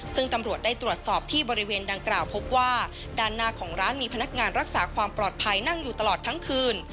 ซึ่งตำรวจได้ตรวจสอบที่บริเวณดังกล่าวพบว่าด้านหน้าของร้านมีพนักงานรักษาความปลอดภัยนั่งอยู่ตลอดทั้งคืน